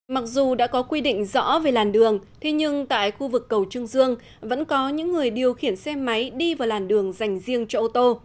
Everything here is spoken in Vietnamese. mặc dù đã có quy định rõ về làn đường thế nhưng tại khu vực cầu trương dương vẫn có những người điều khiển xe máy đi vào làn đường dành riêng cho ô tô